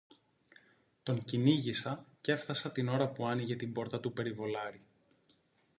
Τον κυνήγησα, κι έφθασα την ώρα που άνοιγε την πόρτα του περιβολάρη